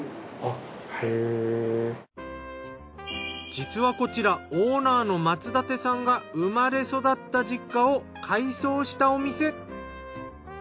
実はこちらオーナーの松立さんが生まれ育った実家を改装したお店。